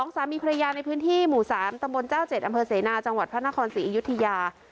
สามีภรรยาในพื้นที่หมู่๓ตำบลเจ้า๗อำเภอเสนาจังหวัดพระนครศรีอยุธยา